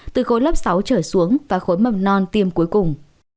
từ khối lớp sáu trở xuống và khối mầm non tiêm cuối cùng